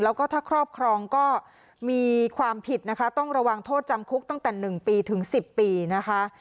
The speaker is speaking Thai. แล้วก็ถ้าครอบครองก็มีความผิดนะคะต้องระวังโทษจำคุกตั้งแต่๑ปีถึง๑๐ปีนะคะ